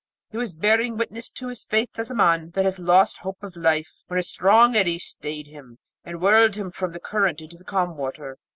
He was bearing witness to his faith as a man that has lost hope of life, when a strong eddy stayed him, and whirled him from the current into the calm water.